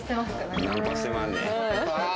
ナンパしてまんねん。